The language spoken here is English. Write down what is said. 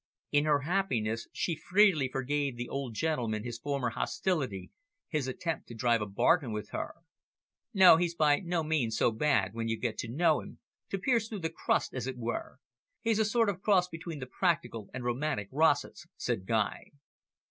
In her happiness she freely forgave the old gentleman his former hostility, his attempt to drive a bargain with her. "No, he's by no means so bad, when you get to know him, to pierce through the crust as it were. He is a sort of cross between the practical and romantic Rossetts," said Guy.